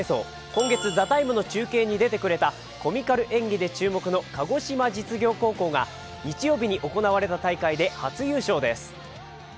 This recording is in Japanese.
今月、「ＴＨＥＴＩＭＥ，」の中継に出てくれたコミカル演技で注目の鹿児島実業高校が日曜日に行われた大会で初優勝です。